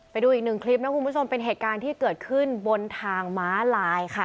ไปดูอีกหนึ่งคลิปนะคุณผู้ชมเป็นเหตุการณ์ที่เกิดขึ้นบนทางม้าลายค่ะ